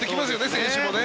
選手もね。